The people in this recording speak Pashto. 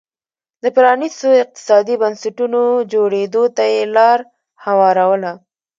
د پرانیستو اقتصادي بنسټونو جوړېدو ته یې لار هواروله